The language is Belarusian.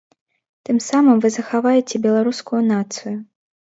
Тым самым вы захаваеце беларускую нацыю.